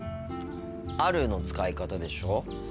「ある」の使い方でしょ